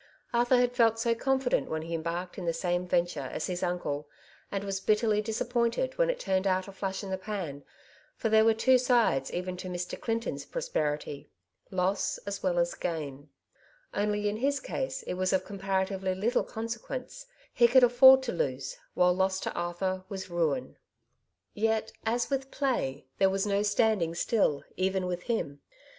Arthur had felt so confident when he embarked in the same venture as his uncle, and was bitterly disappointed when it turned out a flash in the pan; for there were two sides even to Mr. Clinton's prosperity, loss as well as gain ; only in his case it was of comparatively little consequence ; he could aSbrd to lose, while loss to Arthur was ruin. Yet, as with *' play," there was no standing still even with him.